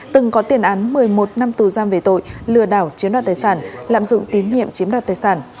từng có tiền án một mươi một năm tù giam về tội lừa đảo chiếm đoạt tài sản lạm dụng tín nhiệm chiếm đoạt tài sản